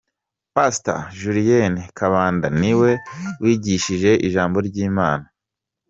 Pastor Julienne Kabanda ni we wigishije ijambo ry'Imana.